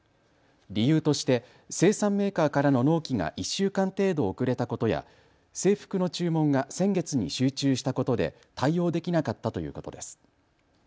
理由として生産メーカーからの納期が１週間程度遅れたことや制服の注文が先月に集中したことで対応できなかったということです。